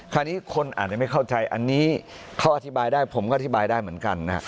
คราวนี้คนอาจจะไม่เข้าใจอันนี้เขาอธิบายได้ผมก็อธิบายได้เหมือนกันนะฮะ